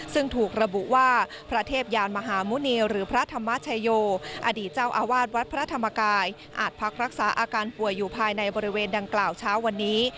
ซึ่งถูกระบุว่าพระเทพยานมหาหมุณีหรือพระธรรมชโยอดีตเจ้าอาวาสวัดพระธรรมกายอาจพักรักษาอาการป่วยอยู่ภายในบริเวณดังกล่าวเช้าวันนี้